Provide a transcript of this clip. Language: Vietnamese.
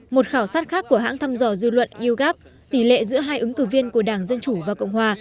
một khảo sát khác của hãng thăm dò dư luận yogap tỷ lệ giữa hai ứng cử viên của đảng dân chủ và cộng hòa